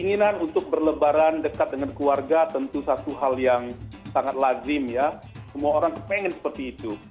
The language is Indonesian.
itu satu hal yang sangat lazim ya semua orang pengen seperti itu